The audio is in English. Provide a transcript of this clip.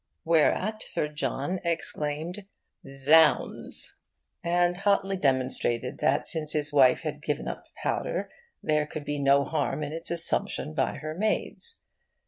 Whereat Sir John exclaimed 'Zounds!' and hotly demonstrated that since his wife had given up powder there could be no harm in its assumption by her maids.